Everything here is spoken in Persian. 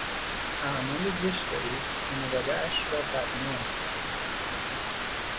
اعمال زشت او خانوادهاش را بدنام کرد.